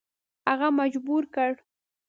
هغه مجبور کړ.